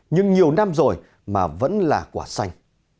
nhưng nhiều năm rồi mà vẫn là quả xanh